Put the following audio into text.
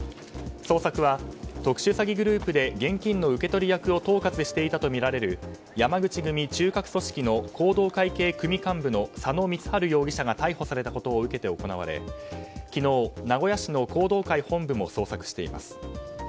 捜索は特殊詐欺グループで現金の受け取り役を統括していたとみられる山口組中核組織の弘道会系組幹部の佐野光春容疑者が逮捕されたことを受けて行われ昨日、名古屋市の弘道会本部も捜索しています。